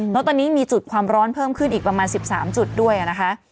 แล้วตอนนี้มีจุดความร้อนเพิ่มขึ้นอีกประมาณ๑๓จุดด้วยนะคะ